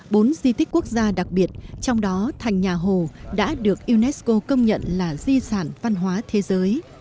bốn di tích quốc gia đặc biệt trong đó thành nhà hồ đã được unesco công nhận là di sản văn hóa thế giới